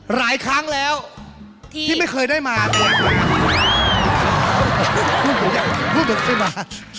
หลายครั้งแล้วที่ไม่เคยได้มาแต่อยากกลับมาพูดเหมือนเคยมา